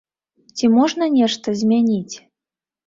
Ці можна нешта змяніць?